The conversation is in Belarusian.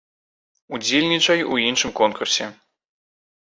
Удзельнічай у нашым конкурсе!